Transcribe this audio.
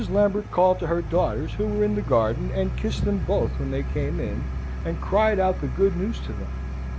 Lambert called to her daughters who were in the garden, and kissed them both when they came in, and cried out the good news to them.